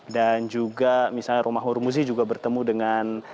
dan juga misalnya rumah hurmusi juga bertemu dengan sandi